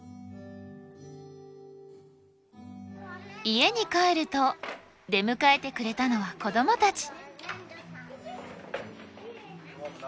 家に帰ると出迎えてくれたのは子どもたち。